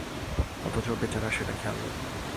অথচ বেচারার সেটা খেয়াল নেই।